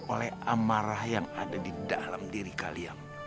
oleh amarah yang ada di dalam diri kalian